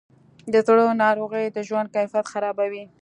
د زړه ناروغۍ د ژوند کیفیت خرابوي.